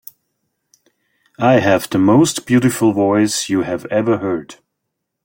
I have the most beautiful voice you have ever heard.